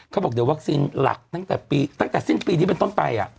เขาบอกว่าวัคซีนหลักตั้งแต่ปีตั้งแต่สิ้นปีนี้มันต้องไป